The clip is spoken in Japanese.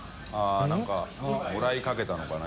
何かもらいかけたのかな？